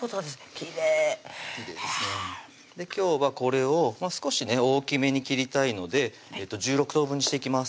きれいきれいですね今日はこれを少しね大きめに切りたいので１６等分にしていきます